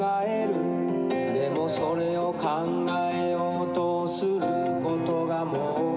「でもそれを考えようとすることがもう」